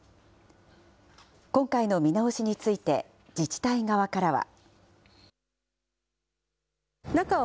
今回の見直しについて、自治体側からは。